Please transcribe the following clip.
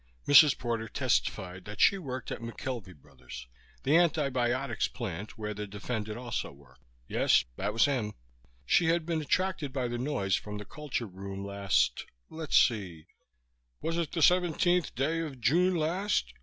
Mrs. Porter testified that she worked at McKelvey Bros., the antibiotics plant, where the defendant also worked. Yes, that was him. She had been attracted by the noise from the culture room last let's see "Was it the seventeenth day of June last?"